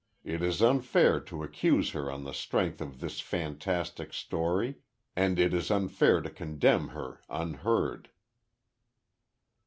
It is unfair to accuse her on the strength of this fantastic story and it is unfair to condemn her unheard."